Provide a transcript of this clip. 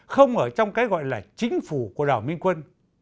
không ở trong cái gọi là chính phủ của đảo minh quân